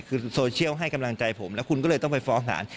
คือโซเชียลให้กำลังใจผมแล้วคุณก็เลยต้องไปฟ้องศาล